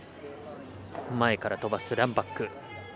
前から飛ばすランバック。